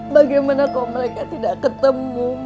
bagaimana kok mereka tidak ketemu